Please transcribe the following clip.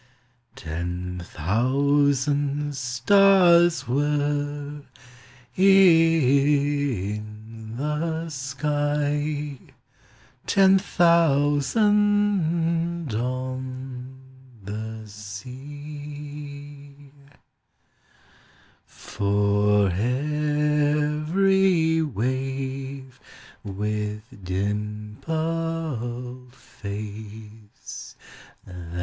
Ten thousand stars were in the sky, Ten thousand on the sea ; For every wave, with dimpled face.